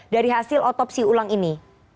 dari hasil otopsi ulang ini